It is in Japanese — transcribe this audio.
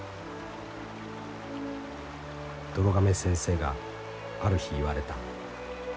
「どろ亀先生がある日言われた。